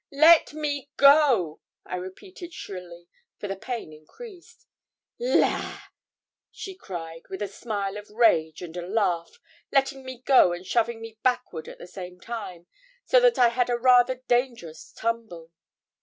'Let me go,' I repeated shrilly, for the pain increased. 'La!' she cried with a smile of rage and a laugh, letting me go and shoving me backward at the same time, so that I had a rather dangerous tumble.